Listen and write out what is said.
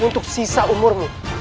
untuk sisa umurmu